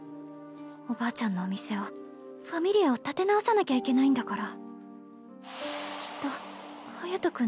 おばあちゃんのお店を「Ｆａｍｉｌｉａ」を立て直さなきゃいけないんだから。